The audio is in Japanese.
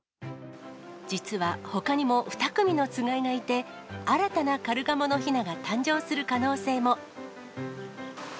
実はほかにも２組のつがいがいて、新たなカルガモのひなが誕おいでー！